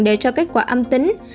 để cho kết quả âm tính